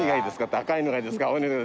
青いのがいいですか？